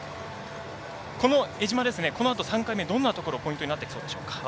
江島、このあと３回目どんなところがポイントになってきそうでしょうか。